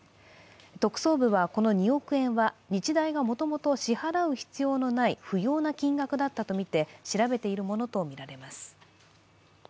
特捜部はこの２億円は日大がもともと支払う必要のない不要な金額だったとみて調べているものとみられます。